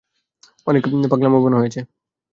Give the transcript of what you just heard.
অনেক পাগলামোপনা হয়েছে!